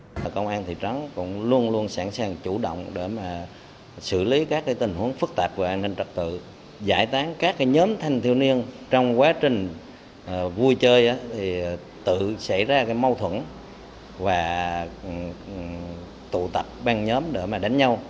lực lượng công an thị trấn cũng luôn luôn sẵn sàng chủ động để xử lý các tình huống phức tạp của an ninh trật tự giải tán các nhóm thanh thiêu niên trong quá trình vui chơi tự xảy ra mâu thuẫn và tụ tập ban nhóm để đánh nhau